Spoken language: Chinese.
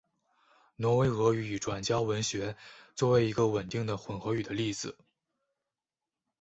挪威俄语已转交文学作为一个稳定的混合语的例子。